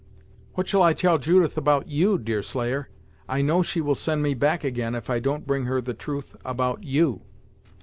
"What shall I tell Judith about you, Deerslayer; I know she will send me back again, if I don't bring her the truth about you."